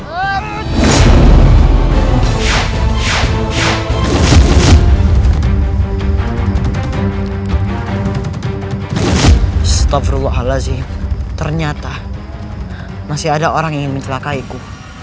astagfirullahaladzim ternyata masih ada orang yang ingin melakaiku